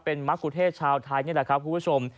เป็นมะคุเทศชาวไทยนี่แหละครับคุณผู้ชม